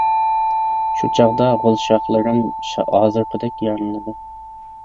شۇ چاغدا غول شاخلىرىم ھازىرقىدەك يارىلىنىدۇ.